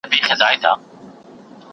د غاښ درد له پامه مه غورځوه